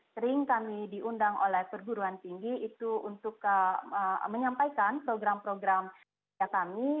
sering kami diundang oleh perguruan tinggi itu untuk menyampaikan program program kerja kami